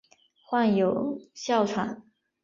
患有哮喘。